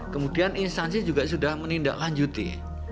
kemudian instansi juga sudah menindaklanjuti